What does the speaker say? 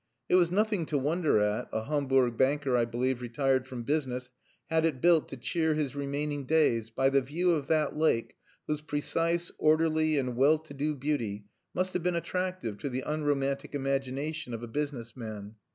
It was nothing to wonder at, a Hamburg banker, I believe, retired from business, had it built to cheer his remaining days by the view of that lake whose precise, orderly, and well to do beauty must have been attractive to the unromantic imagination of a business man.